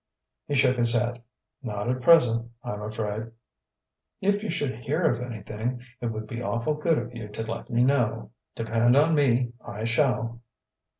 He shook his head. "Not at present, I'm afraid." "If you should hear of anything, it would be awful' good of you to let me know." "Depend upon me, I shall."